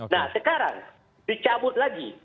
nah sekarang dicabut lagi